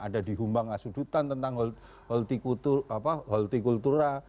ada di humbang asudutan tentang holti kultura